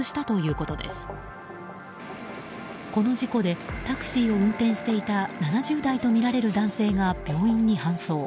この事故でタクシーを運転していた７０代とみられる男性が病院に搬送。